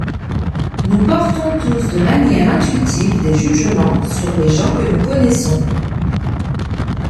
Nous portons tous de manière intuitive des jugements sur les gens que nous connaissons.